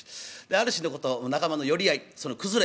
ある日のこと仲間の寄り合いその崩れ